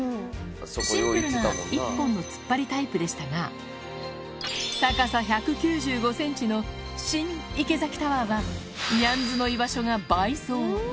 シンプルな１本の突っ張りタイプでしたが、高さ１９５センチの新池崎タワーは、ニャンズの居場所が倍増！